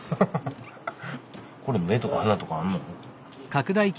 これ目とか鼻とかあんの？